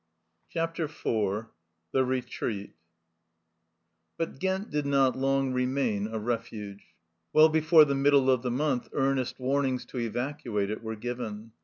CHAPTER IV THE RETREAT BUT Ghent did not long remain a refuge ; well before the middle of the month earnest warnings to evacuate it were given.